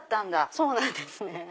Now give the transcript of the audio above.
そうなんです。